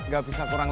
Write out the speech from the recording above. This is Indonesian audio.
sampai beli bunga